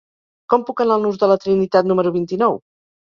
Com puc anar al nus de la Trinitat número vint-i-nou?